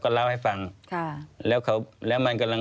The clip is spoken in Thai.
ควิทยาลัยเชียร์สวัสดีครับ